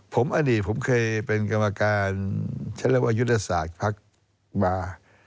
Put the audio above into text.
ผมอดีตผมเคยเป็นกรรมการฉันเรียกว่ายุทธศาสตร์ภักดิ์มา